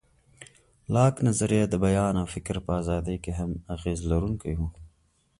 لاک نظریه د بیان او فکر په ازادۍ کې هم اغېز لرونکی و.